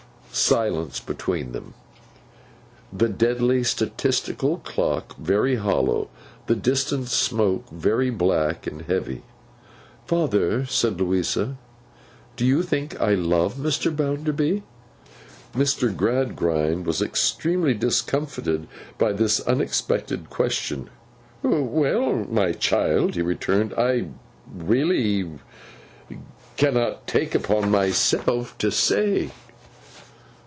Silence between them. The deadly statistical clock very hollow. The distant smoke very black and heavy. 'Father,' said Louisa, 'do you think I love Mr. Bounderby?' Mr. Gradgrind was extremely discomfited by this unexpected question. 'Well, my child,' he returned, 'I—really—cannot take upon myself to say.